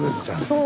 そう。